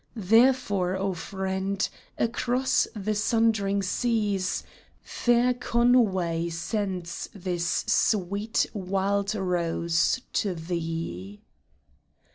Therefore, O friend, across the sundering seas Fair Conway sends this sweet wild rose to thee